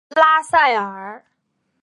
拉塞尔。